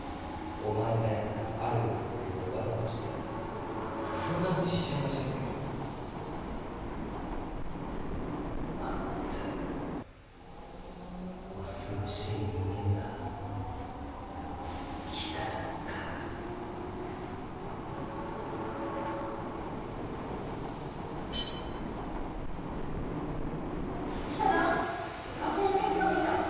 お前がやったある工夫をわざとしてないく工夫なんてしてませんけど全く恐ろしい人間だ北田岳北田学校の掲示板見た？